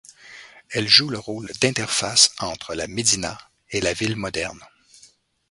Elle joue le rôle d'interface entre la médina et la ville moderne.